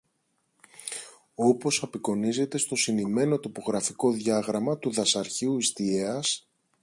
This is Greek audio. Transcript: όπως απεικονίζεται στο συνημμένο τοπογραφικό διάγραμμα του Δασαρχείου Ιστιαίας